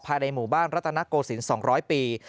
ภายในหมู่บ้านรัตนโกศิลป์๒๐๐ปี